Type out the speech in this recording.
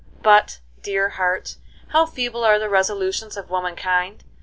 But, dear heart, how feeble are the resolutions of womankind!